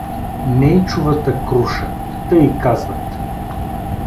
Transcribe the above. „Нейчовата круша“ — тъй й казват.